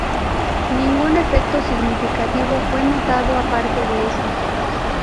Ningún efecto significativo fue notado aparte de eso.